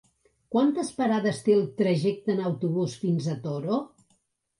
Quantes parades té el trajecte en autobús fins al Toro?